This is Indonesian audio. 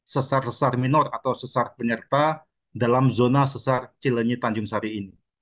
sesar sesar minor atau sesar penyerta dalam zona sesar cilenyi tanjung sari ini